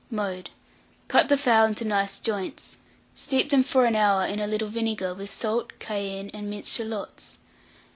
Mode. Cut the fowl into nice joints; steep them for an hour in a little vinegar, with salt, cayenne, and minced shalots.